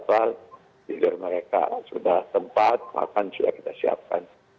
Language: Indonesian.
jadi dari mereka sudah sempat makan sudah kita siapkan